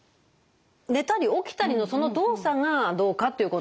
寝たり起きたりのその動作がどうかっていうことなんですね。